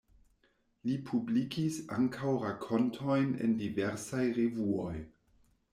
Li publikis ankaŭ rakontojn en diversaj revuoj.